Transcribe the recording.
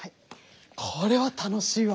これは楽しいわ。